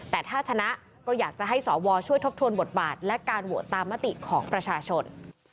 แต่ถ้าชนะก็อยากจะให้สวช่วยทบทวนบทบาทและการโหวตตามมติของประชาชน